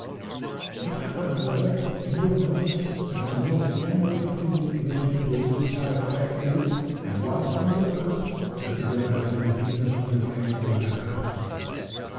"You have observed, in your notes, that the most general opinion in relation to this sad affair is, and was from the first, that the girl had been the victim of a gang of blackguards.